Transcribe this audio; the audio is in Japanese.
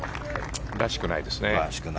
らしくないですね。